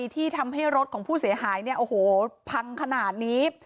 ที่ทำให้รถของผู้เสียหายเนี่ยโอ้โหพังขนาดนี้